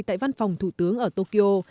tại văn phòng thủ tướng ở tokyo